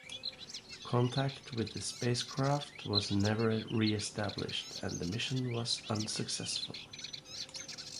Contact with the spacecraft was never reestablished, and the mission was unsuccessful.